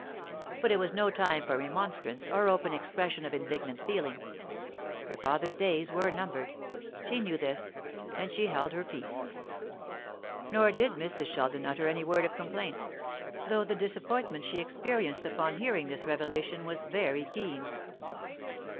But it was no time for remonstrance or open expression of indignant feeling. Her father's days were numbered. She knew this, and she held her peace. Nor did Mrs. Sheldon utter any word of complaint, though the disappointment she experienced upon hearing this revelation was very keen.